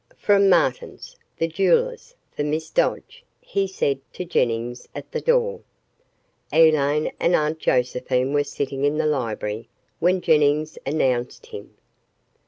"From Martin's, the jeweler's, for Miss Dodge," he said to Jennings at the door. Elaine and Aunt Josephine were sitting in the library when Jennings announced him.